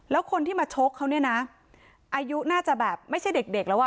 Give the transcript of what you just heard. แล้วคนที่มาชกเขาเนี่ยนะอายุน่าจะแบบไม่ใช่เด็กแล้วอ่ะ